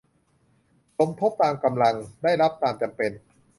สมทบตามกำลัง ได้รับตามจำเป็น